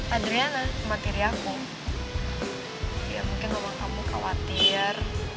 padriana kematiri aku ya mungkin mama kamu khawatir